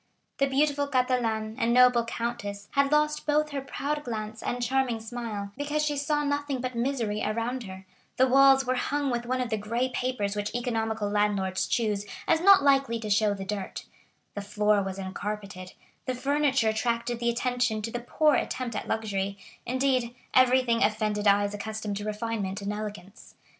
The beautiful Catalane and noble countess had lost both her proud glance and charming smile, because she saw nothing but misery around her; the walls were hung with one of the gray papers which economical landlords choose as not likely to show the dirt; the floor was uncarpeted; the furniture attracted the attention to the poor attempt at luxury; indeed, everything offended eyes accustomed to refinement and elegance.